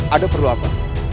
ada perlu apa